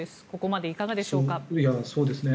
ここまでいかがでしょうか。